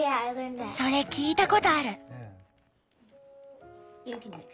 それ聞いたことある！